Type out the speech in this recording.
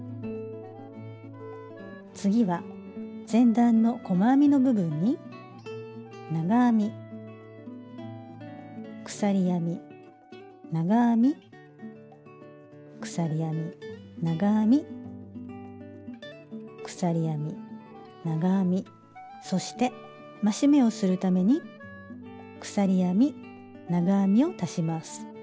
次は前段の細編みの部分に長編み鎖編み長編み鎖編み長編み鎖編み長編みそして増し目をするために鎖編み長編みを足します。